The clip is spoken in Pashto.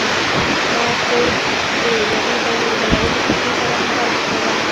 زما خور د یوې بین المللي مؤسسې سره په کار بوخته ده